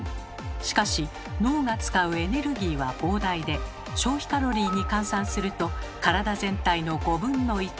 しかし脳が使うエネルギーは膨大で消費カロリーに換算すると体全体の５分の１。